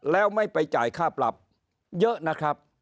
แล้วไม่ไปจ่ายค่าปรับเยอะนะครับ